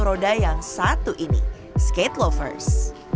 roda yang satu ini skate lovers